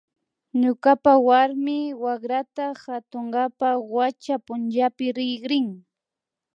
Ñukapa warmi wakrata katunkapak wacha punchapi rikrini